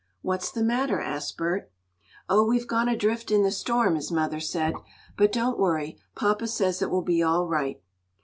"What's the matter?" asked Bert. "Oh, we've gone adrift in the storm," his mother said. "But don't worry. Papa says it will be all right."